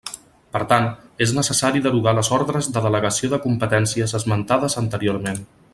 Per tant, és necessari derogar les ordres de delegació de competències esmentades anteriorment.